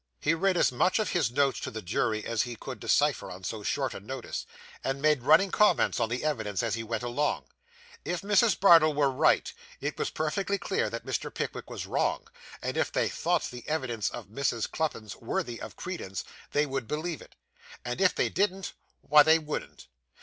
He read as much of his notes to the jury as he could decipher on so short a notice, and made running comments on the evidence as he went along. If Mrs. Bardell were right, it was perfectly clear that Mr. Pickwick was wrong, and if they thought the evidence of Mrs. Cluppins worthy of credence they would believe it, and, if they didn't, why, they wouldn't.